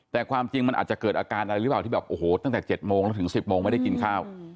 แต่ความจริงมันอาจจะเกิดอาการอะไรหรือเปล่าที่แบบโอ้โหตั้งแต่๗โมงแล้วถึง๑๐โมงไม่ได้กินข้าว